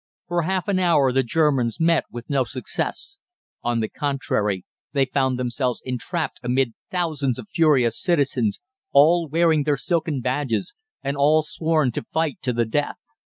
"For half an hour the Germans met with no success. On the contrary, they found themselves entrapped amid thousands of furious citizens, all wearing their silken badges, and all sworn to fight to the death.